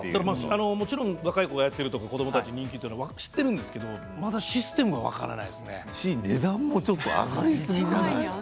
もちろん若い子がやっているとか子どもたちに人気だというのは知ってるんですけどまだシステムが分からない。